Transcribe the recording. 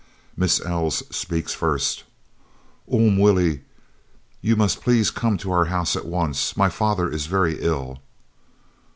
Miss Els speaks first: "Oom Willie, you must please come to our house at once. My father is very ill."